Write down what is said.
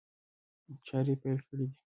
چاري پيل کړي دي.